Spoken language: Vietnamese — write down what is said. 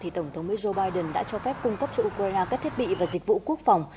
tổng thống mỹ joe biden đã cho phép cung cấp cho ukraine các thiết bị và dịch vụ quốc phòng